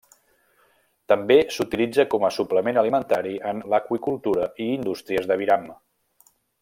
També s'utilitza com a suplement alimentari en l'aqüicultura i indústries d'aviram.